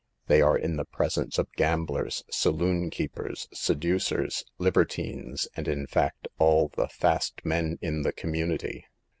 They are in the presence of gamblers, saloonkeepers, seducers, libertines, and in fact all the " fast men " in the community.